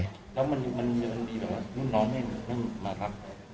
แล้วมันมีแบบว่ารุ่นน้องนั่งมาทัก